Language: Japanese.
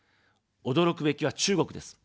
驚くべきは中国です。